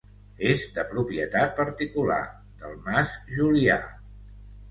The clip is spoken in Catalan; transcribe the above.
És de propietat particular, del Mas Julià.